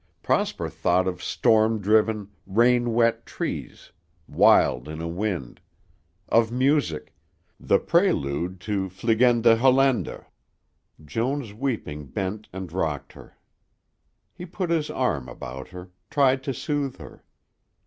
Prosper thought of storm driven, rain wet trees wild in a wind ... of music, the prelude to "Fliegende Holländer." Joan's weeping bent and rocked her. He put his arm about her, tried to soothe her.